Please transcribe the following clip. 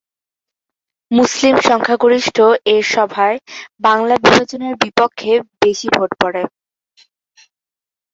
মুসলিম সংখ্যাগরিষ্ঠ এর সভায় বাংলা বিভাজনের বিপক্ষে বেশি ভোট পড়ে।